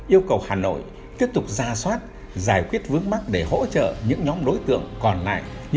yêu cầu hà nội tiếp tục ra soát giải quyết vướng mắt để hỗ trợ những nhóm đối tượng còn lại như